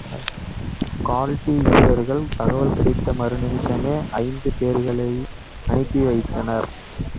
கால்ட்டீ வீரர்கள் தகவல் கிடைத்த மறுநிமிஷமே ஐந்து பேர்களை அனுப்பி வைத்தனர்.